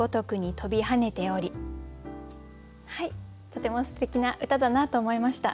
とてもすてきな歌だなと思いました。